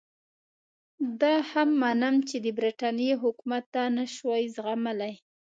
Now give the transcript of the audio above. دا هم منم چې د برټانیې حکومت دا نه شوای زغملای.